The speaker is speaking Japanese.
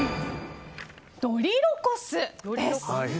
ドリロコスです。